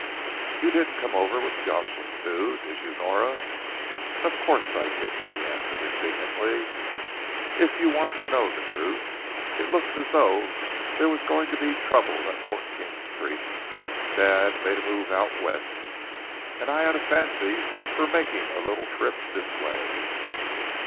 "You didn't come over with Jocelyn Thew, did you, Nora?" "Of course I didn't," she answered indignantly. "If you want to know the truth, it looked as though there was going to be trouble at Fourteenth Street. Dad made a move out West, and I had a fancy for making a little trip this way."